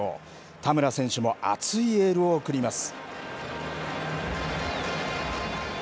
田村選手も熱いエールを送ります。